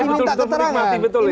saya betul betul menikmati betul ini